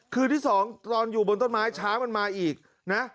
คืนที่สองตอนอยู่บนต้นไม้ช้างมันมาอีกนะ